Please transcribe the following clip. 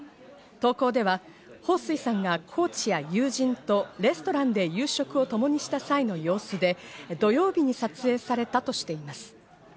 投稿では、ホウ・スイさんがコーチや友人とレストランで夕食をともにした際の様子で、土曜日に撮影されたとしています。